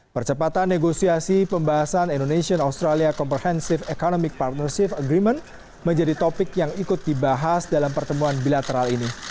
percepatan negosiasi pembahasan indonesian australia comprehensive economic partnership agreement menjadi topik yang ikut dibahas dalam pertemuan bilateral ini